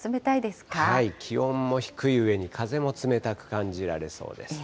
気温も低いうえに風も冷たく感じられそうです。